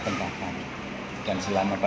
di sekolah baru dikoneksi di sekolah baru